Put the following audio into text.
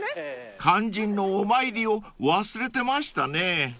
［肝心のお参りを忘れてましたね］